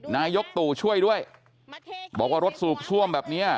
นายกตู่ช่วยด้วยบอกว่ารถสูบซ่วมแบบนี้